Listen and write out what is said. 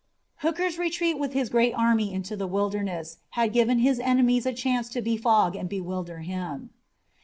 Hooker's retreat with his great army into the Wilderness had given his enemies a chance to befog and bewilder him.